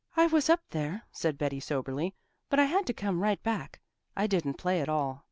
"I was up there," said Betty soberly, "but I had to come right back. I didn't play at all."